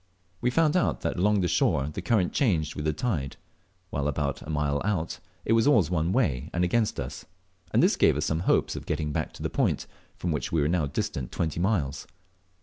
We found out that along shore the current changed with the tide, while about a mile out it was always one way, and against us; and this gave us some hopes of getting back to the point, from which we were now distant twenty miles.